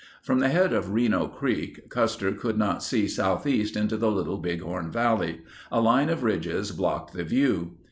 From the head of Reno Creek, Custer could not see southeast into the Little Big 52 horn Valley; a line of ridges blocked the view.